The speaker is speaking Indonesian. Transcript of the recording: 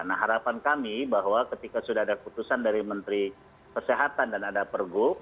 nah harapan kami bahwa ketika sudah ada keputusan dari menteri kesehatan dan ada pergub